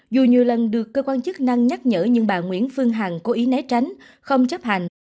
dù nhiều lần được cơ quan chức năng nhắc nhở nhưng bà nguyễn phương hằng cố ý né tránh không chấp hành